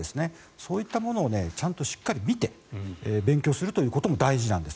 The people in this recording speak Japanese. そういったものをちゃんとしっかり見て勉強するということも大事なんです。